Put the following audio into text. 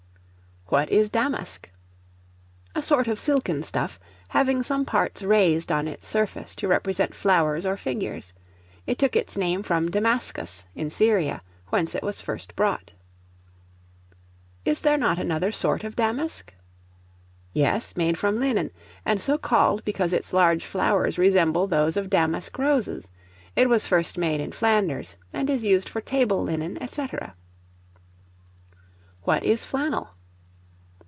What is Damask? A sort of silken stuff, having some parts raised on its surface to represent flowers or figures. It took its name from Damascus, in Syria, whence it was first brought. Is there not another sort of Damask? Yes, made from linen; and so called because its large flowers resemble those of damask roses. It was first made in Flanders, and is used for table linen, &c. What is Flannel?